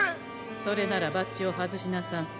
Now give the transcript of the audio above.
それならバッジを外しなさんせ。